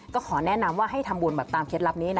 ก็ขอแนะนำว่าให้ทำบุญแบบตามเคล็ดลับนี้นะ